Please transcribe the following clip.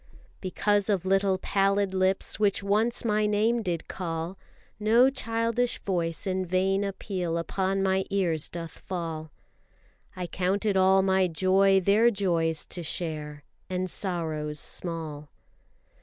Because of little pallid lips, which once My name did call, No childish voice in vain appeal upon My ears doth fall. I count it all my joy their joys to share, And sorrows small.